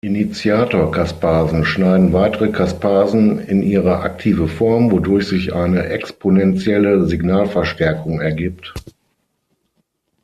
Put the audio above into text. Initiator-Caspasen schneiden weitere Caspasen in ihre aktive Form, wodurch sich eine exponentielle Signalverstärkung ergibt.